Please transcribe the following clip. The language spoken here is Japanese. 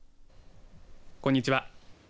こんにちは。